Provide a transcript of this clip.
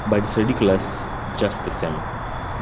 But it’s ridiculous just the same.